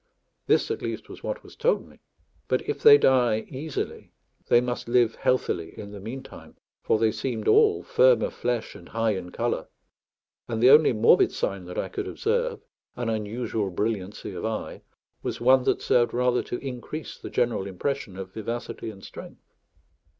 This, at least, was what was told me. But if they die easily, they must live healthily in the meantime, for they seemed all firm of flesh and high in colour; and the only morbid sign that I could observe, an unusual brilliancy of eye, was one that served rather to increase the general impression of vivacity and strength.